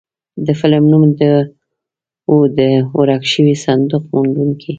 د فلم نوم و د ورک شوي صندوق موندونکي.